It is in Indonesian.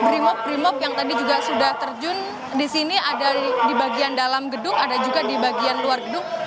brimob brimob yang tadi juga sudah terjun di sini ada di bagian dalam gedung ada juga di bagian luar gedung